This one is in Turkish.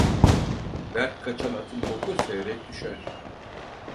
Berk kaçan atın boku seyrek düşer.